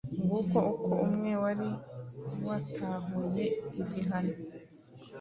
Nguko uko umwe wari watahuye igihano